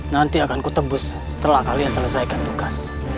nanti akan kutebus setelah kalian selesaikan tugas